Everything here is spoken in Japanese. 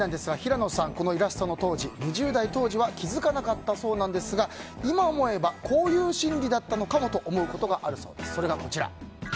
平野さんは２０代当時は気付かなかったそうなんですが今思えばこういう心理だったのかもと思うことがあるそうです。